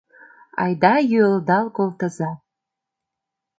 Айда йӱылдал колтыза!